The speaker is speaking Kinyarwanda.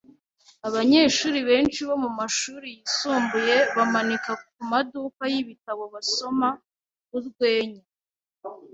Abanyeshuri benshi bo mumashuri yisumbuye bamanika kumaduka yibitabo basoma urwenya.